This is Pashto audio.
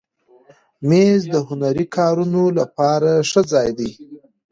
مېز د هنري کارونو لپاره ښه ځای دی.